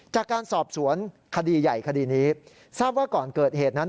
จากการสอบสวนคดีใหญ่คดีนี้ทราบว่าก่อนเกิดเหตุนั้น